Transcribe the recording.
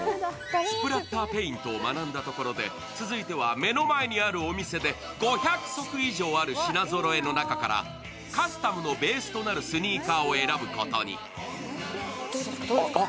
スプラッターペイントを学んだところで続いては目の前にあるお店で５００足以上ある品ぞろえの中からカスタムのベースとなるスニーカーを選ぶことに。